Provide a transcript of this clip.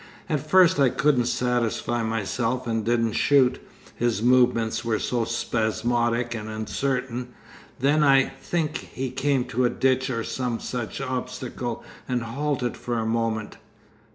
At first I couldn't satisfy myself and didn't shoot, his movements were so spasmodic and uncertain; then I think he came to a ditch or some such obstacle and halted for a moment.